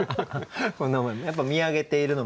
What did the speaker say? やっぱ見上げているのもあるし。